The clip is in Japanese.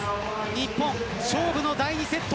日本、勝負の第２セット。